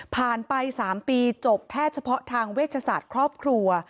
ไป๓ปีจบแพทย์เฉพาะทางเวชศาสตร์ครอบครัว